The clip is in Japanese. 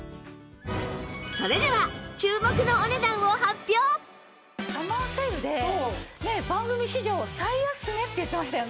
それではサマーセールで番組史上最安値って言ってましたよね？